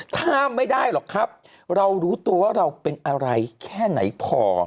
ถ้าไม่ได้หรอกครับเรารู้ตัวว่าเราเป็นอะไรแค่ไหนพอ